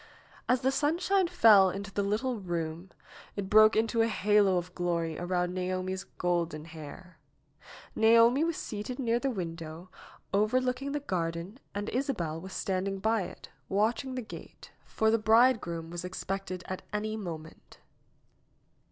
As the sunshine fell into the little room it broke into a halo of glory around Naomi's golden hair. Naomi wlo seated near the window overlooking the garden an ^oabel was standing by it, watching the gate, for the bridegroom was expected at any moment.